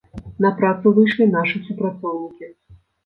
На працу выйшлі нашы супрацоўнікі.